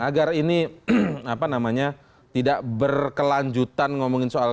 agar ini tidak berkelanjutan ngomongin soal